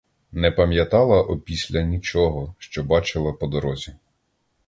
Не пам'ятала опісля нічого, що бачила по дорозі.